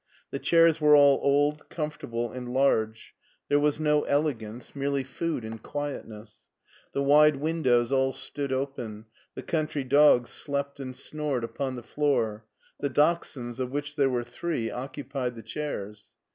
The chairs were all old, comfortable, and large ; there was no ele gance, merely food and quietness. The wide win dows all stood open, the country dogs slept and snored upon the floor, the dachshunds, of which there were three, occupied the chairs.